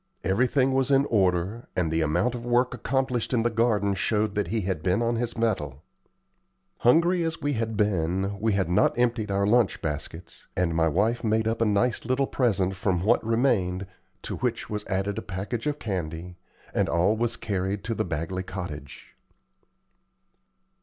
Everything was in order, and the amount of work accomplished in the garden showed that he had been on his mettle. Hungry as we had been, we had not emptied our lunch baskets, and my wife made up a nice little present from what remained, to which was added a package of candy, and all was carried to the Bagley cottage.